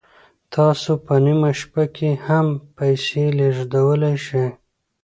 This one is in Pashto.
تاسو په نیمه شپه کې هم پیسې لیږدولی شئ.